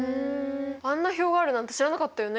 あんな表があるなんて知らなかったよね。